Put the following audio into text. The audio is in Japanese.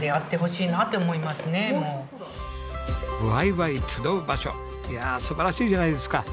ワイワイ集う場所いやあ素晴らしいじゃないですか。